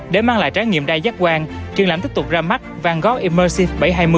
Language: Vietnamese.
để mang lại trái nghiệm đa giác quan triển lãm tiếp tục ra mắt van gogh immersive bảy trăm hai mươi